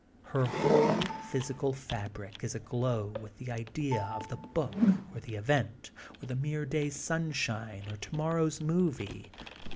Her whole physical fabric is aglow with the idea of the book or the event or the mere day's sunshine or tomorrow's movie.